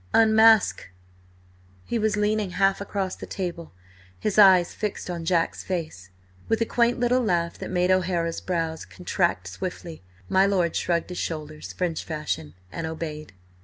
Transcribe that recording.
Unmask!" He was leaning half across the table, his eyes fixed on Jack's face. With a quaint little laugh that made O'Hara's brows contract swiftly, my lord shrugged his shoulders French fashion and obeyed.